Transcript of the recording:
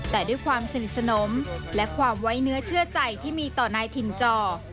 แต่ด้วยความสนิทสนมและความไว้เนื้อเชื่อใจที่มีต่อนายถิ่นจอ